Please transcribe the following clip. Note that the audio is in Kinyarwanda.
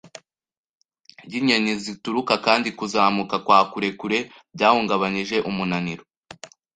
y'inyoni zitukura kandi kuzamuka kwa kure kure byahungabanije umunaniro